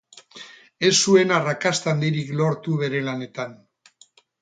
Ez zuen arrakasta handirik lortu bere lanetan.